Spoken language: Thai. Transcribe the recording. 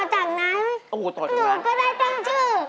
ส่วนจากนั้นหนูก็ได้เป็นชื่อ